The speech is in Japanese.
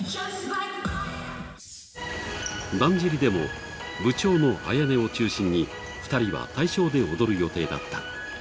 だんじりでも部長のあやねを中心に２人が対象で踊る予定だった。